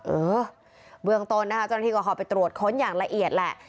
เออเบื้องต้นนะคะเจ้าหน้าที่ก็เข้าไปตรวจค้นอย่างละเอียดแหละ